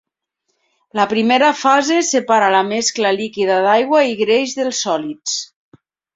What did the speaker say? La primera fase separa la mescla líquida d"aigua i greix dels sòlids.